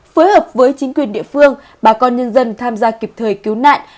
phối hợp với chính quyền địa phương bà con nhân dân tham gia kịp thời cứu nạn